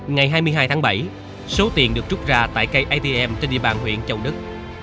ngày hai mươi hai tháng bảy số tiền được rút ra tại cây atm trên địa bàn huyện châu đức